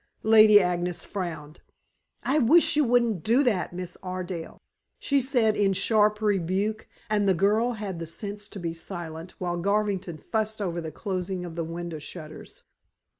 Lady Agnes frowned. "I wish you wouldn't do that, Miss Ardale," she said in sharp rebuke, and the girl had the sense to be silent, while Garvington fussed over the closing of the window shutters.